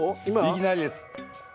いきなりです。